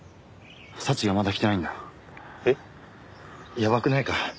やばくないか？